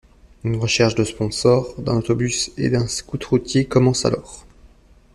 Une recherche de sponsors, d'un autobus et d'un scout-routier commence alors.